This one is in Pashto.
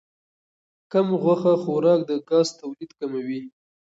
کم غوښه خوراک د ګاز تولید کموي.